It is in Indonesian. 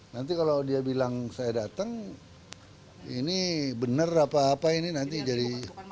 nanti kalau dia bilang saya datang ini benar apa apa ini nanti jadi